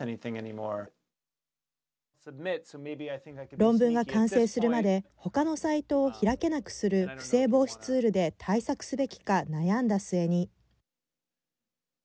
論文が完成するまで他のサイトを開けなくする不正防止ツールで対策すべきか悩んだ末に。